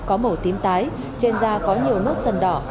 có màu tím tái trên da có nhiều nốt sần đỏ